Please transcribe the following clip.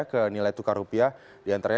ke nilai tukar rupiah diantaranya